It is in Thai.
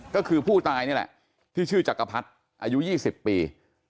ก็คือผู้ตายนี่แหละที่ชื่อจักรพรรดิอายุ๒๐ปี